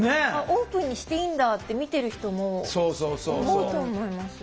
オープンにしていいんだって見てる人も思うと思います。